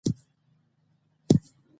فرهنګ د خلکو د جامو او خوراک بڼه ټاکي.